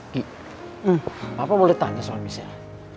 ghi papa boleh tanya soal michelle